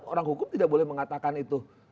orang hukum tidak boleh mengatakan itu